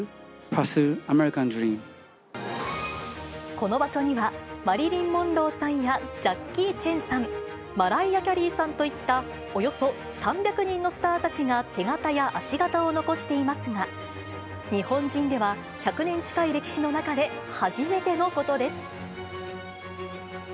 この場所には、マリリン・モンローさんや、ジャッキー・チェンさん、マライア・キャリーさんといった、およそ３００人のスターたちが手形や足形を残していますが、日本人では１００年近い歴史の中で初めてのことです。